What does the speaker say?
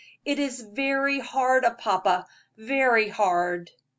It was very hard of papa very hard."